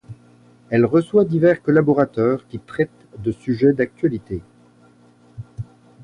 Elle reçoit divers collaborateurs qui traitent de sujets d'actualités.